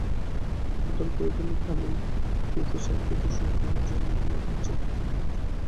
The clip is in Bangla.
এই তর্কের উপলক্ষে আমার থিয়সফিস্ট আত্মীয়টির সহিত আমার জন্মের মতো বিচ্ছেদ ঘটিয়া গেছে।